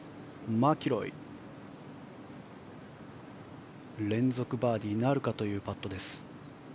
マキロイ連続バーディーなるかというパット。